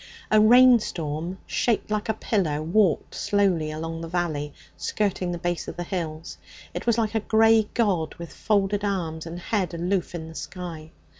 A rainstorm, shaped like a pillar, walked slowly along the valley, skirting the base of the hills. It was like a grey god with folded arms and head aloof in the sky.